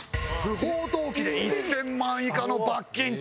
不法投棄で１０００万以下の罰金。